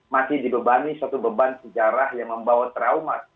masih dibebani suatu beban sejarah yang membawa trauma